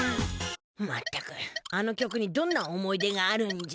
まったくあの曲にどんな思い出があるんじゃ。